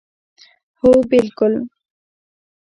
هو بلکل